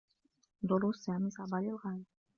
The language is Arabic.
دروس سامي صعبة للغاية.